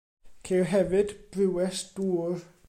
Ceir hefyd brywes dŵr.